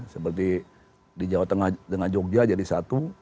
seperti di jawa tengah dengan jogja jadi satu